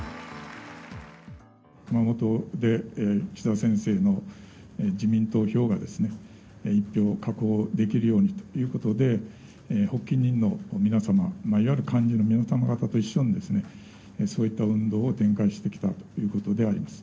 熊本で、岸田先生の自民党票が、１票確保できるようにということで、発起人の皆様、いわゆる幹事の皆様と、そういった運動を展開してきたということであります。